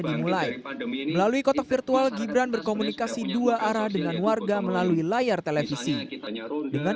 dimulai melalui kotak virtual gibran berkomunikasi dua arah dengan warga melalui layar televisi dengan